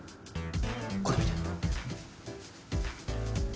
これ見て。